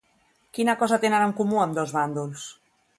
Quina cosa tenen en comú ambdós bàndols?